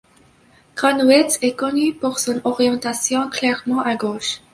Connewitz est connu pour son orientation clairement à gauche.